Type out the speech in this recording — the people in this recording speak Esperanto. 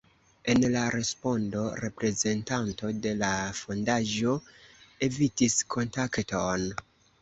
En la respondo reprezentanto de la fondaĵo evitis kontakton.